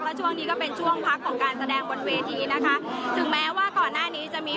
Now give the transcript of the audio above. แล้วช่วงนี้ก็เป็นช่วงพักของการแสดงบนเวทีนะคะถึงแม้ว่าก่อนหน้านี้จะมี